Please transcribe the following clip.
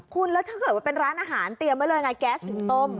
คุณแล้วถ้าเกิดว่าเป็นร้านอาหารเตรียมไว้เลยไงแก๊สหุงต้ม